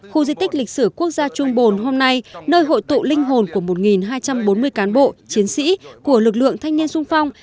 khu di tích lịch sử quốc gia trung bồn hôm nay nơi hội tụ linh hồn của một hai trăm bốn mươi cán bộ chiến sĩ của lực lượng thanh niên sung phong